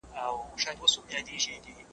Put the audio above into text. له تشناب وروسته لاسونه ووینځئ.